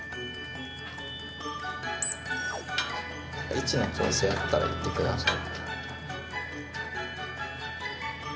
位置の調整あったら言って下さい。